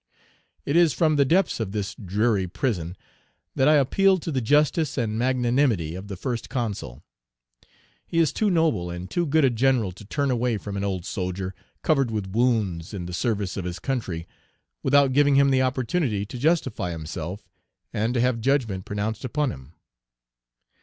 It is from the depths of this dreary prison that I appeal to the justice and magnanimity of the First Consul. He is too noble and too good a general to turn away from an old soldier, covered with wounds in the service of his country, without giving him the opportunity to justify himself, and to have judgment pronounced upon him.